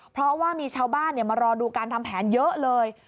เพราะว่ามีชาวบ้านมารอดูการทำแผนเยอะเลย